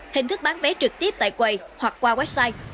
hình thức bán vé trực tiếp tại quầy hoặc qua website